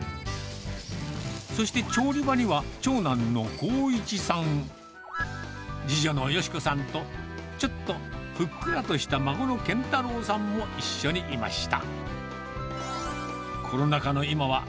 そして、調理場には長男のこういちさん、次女の佳子さんと、ちょっとふっくらとした孫の健太郎さんも一緒にいました。